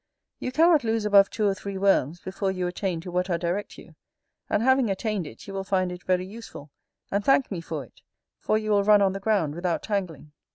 You cannot lose above two or three worms before you attain to what I direct you; and having attained it, you will find it very useful, and thank me for it: for you will run on the ground without tangling.